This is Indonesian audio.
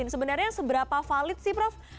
sebenarnya seberapa valid sih prof